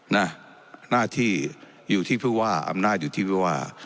หน้าที่อยู่ที่ผู้ว่าอำนาจอยู่ที่ผู้ว่า